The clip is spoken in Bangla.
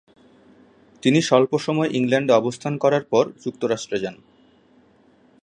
তিনি স্বল্প সময় ইংল্যান্ডে অবস্থান করার পর যুক্তরাষ্টে যান।